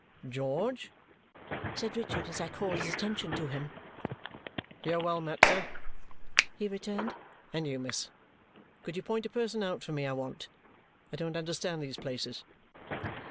"George!" said Richard as I called his attention to him. "You are well met, sir," he returned. "And you, miss. Could you point a person out for me, I want? I don't understand these places."